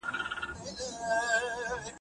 د هغې ساده کښېناستل یو لوی بدلون و.